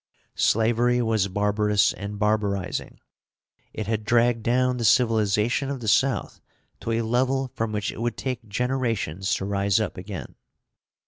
Slavery was barbarous and barbarizing. It had dragged down the civilization of the South to a level from which it would take generations to rise up again.